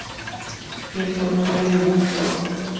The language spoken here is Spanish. Field Columbian Mus., Bot.